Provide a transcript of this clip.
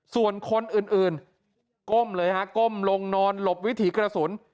ส่วนคนอื่นก้มเลยฮะก้มลงนอนหลบวิถีกระสุน